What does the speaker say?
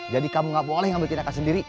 jadi kamu gak boleh ambil tindakan sendiri